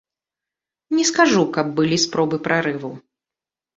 Не скажу, каб былі спробы прарыву.